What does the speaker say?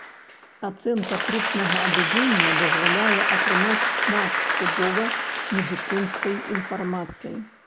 Ацэнка трупнага адубення дазваляе атрымаць шмат судова-медыцынскай інфармацыі.